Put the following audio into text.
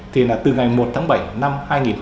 thì là từ ngày một tháng bảy năm hai nghìn hai mươi